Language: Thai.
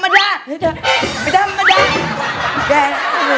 ไม่ธรรมดา